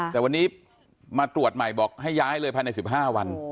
แต่วันนี้มาตรวจใหม่บอกให้ย้ายเลยภายใน๑๕วัน